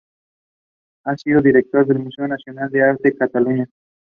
Ha sido director del Museo Nacional de Arte de Cataluña.